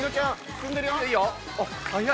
進んでるよ。